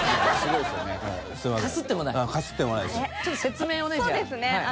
ちょっと説明をねじゃあ。